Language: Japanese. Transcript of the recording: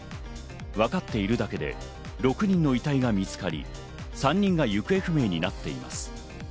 わかっているだけで６人の遺体が見つかり、３人が行方不明になっています。